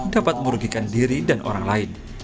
dapat merugikan diri dan orang lain